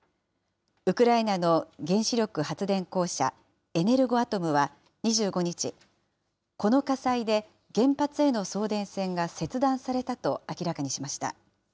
ウクライナの原子力発電公社エネルゴアトムは２５日、この火災で原発への送電線が切断されたと明らかにしました。